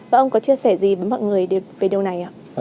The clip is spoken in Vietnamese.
và ông có chia sẻ gì với mọi người được về điều này ạ